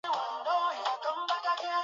Ili niheshimiwe.